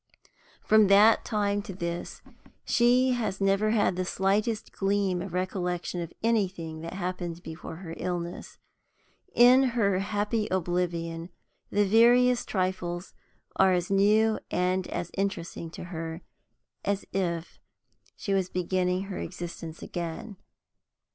From that time to this she has never had the slightest gleam of recollection of anything that happened before her illness. In her happy oblivion, the veriest trifles are as new and as interesting to her as if she was beginning her existence again.